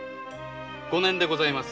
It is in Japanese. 五年でございます。